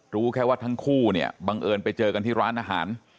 รู้แค่ว่าทั้งคู่เนี่ยบังเอิญไปเจอกันที่ร้านอาหาร